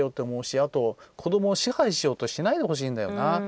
あと子どもを支配しようとしないでほしいんだよな。